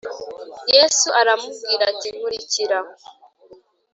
Yesu aramubwira ati Nkurikira